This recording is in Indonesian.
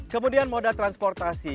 kemudian moda transportasi